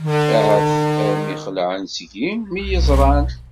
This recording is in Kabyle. Ahat armi xelεen seg-i mi yi-ẓran.